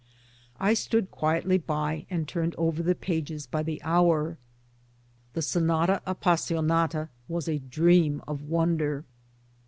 I stood quietly by and turned over the pages by the hour. The " Sonata Appassionata " was a dream of wonder.